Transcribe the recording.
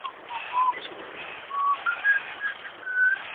业务在香港经营从事提供环境卫生服务及航空餐饮支持服务。